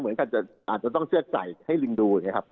เหมือนกันอาจจะต้องเชื่อใจให้ลิงดูนะครับ